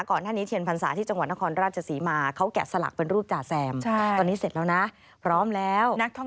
ก่อนท้านนี้เทียนพันศาที่จังหวัดนครราชสีมาเขาแกะสลักเป็นรูปจ่าแซม